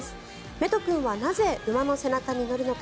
メト君はなぜ馬の背中に乗るのか。